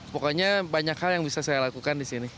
pokoknya banyak hal yang bisa saya lakukan di sini